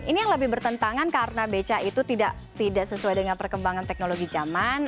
ini yang lebih bertentangan karena beca itu tidak sesuai dengan perkembangan teknologi zaman